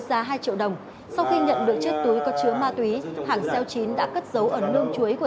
năm triệu đồng sau khi nhận được chiếc túi có chứa ma túy hãng xeo chín đã cất giấu ở nương chuối của